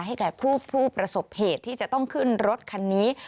แก่ผู้ประสบเหตุที่จะต้องขึ้นรถคันนี้